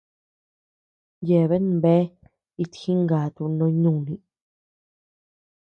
Yeabean bea itjingatu noo nùni.